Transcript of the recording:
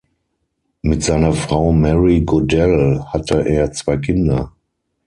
Mit seiner Frau Mary Goodell hatte er zwei Kinder.